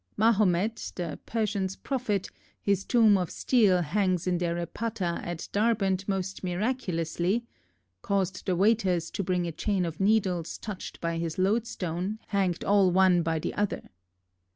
Mahomett, the Percians proffit, his tombe of steell hangs in their Repatta at Darbent most miraculously"—Caused the waiters to bringe a chaine of nedells towched by his load stone, hanged all one by the other.